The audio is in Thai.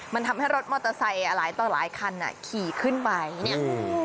มันทำให้รถมอเตอร์ไซค์หลายต่อหลายคันอ่ะขี่ขึ้นไปเนี่ยอืม